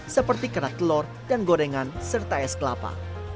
seperti kerat telur dan gorengan serta es kelapa